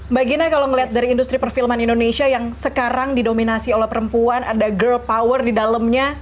mbak gina kalau melihat dari industri perfilman indonesia yang sekarang didominasi oleh perempuan ada girl power di dalamnya